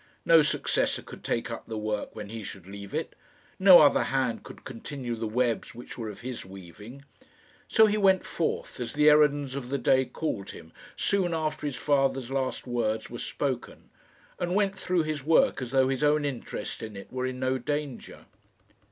No successor could take up the work when he should leave it. No other hand could continue the webs which were of his weaving. So he went forth, as the errands of the day called him, soon after his father's last words were spoken, and went through his work as though his own interest in it were in no danger.